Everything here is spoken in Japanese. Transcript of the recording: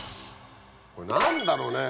これ何だろね？